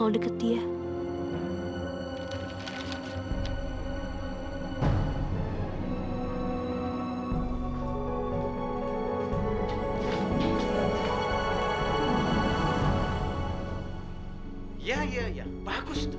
biasanya saya masuk ke pintu